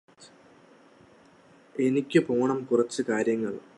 എനിക്കു പോണം കുറച്ച് കാര്യങ്ങള്